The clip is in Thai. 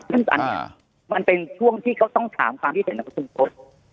ซึ่งมันเป็นช่วงที่เขาต้องถามความพิเศษของชุมศูนย์